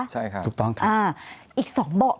ใช่ครับถูกต้องครับอ่าอีกสองบ่อ